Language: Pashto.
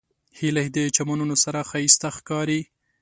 هیلۍ د چمنونو سره ښایسته ښکاري